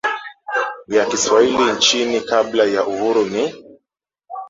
ya Kiswahili nchini kabla ya Uhuru ni